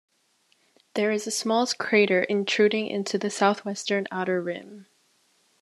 There is a small crater intruding into the southwestern outer rim.